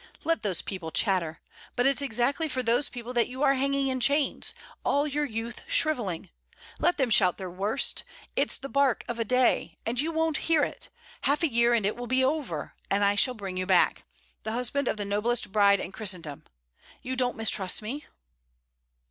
Let those people chatter. But it 's exactly for those people that you are hanging in chains, all your youth shrivelling. Let them shout their worst! It's the bark of a day; and you won't hear it; half a year, and it will be over, and I shall bring you back the husband of the noblest bride in Christendom! You don't mistrust me?'